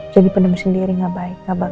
jadi pendam sendiri gak baik gak bagus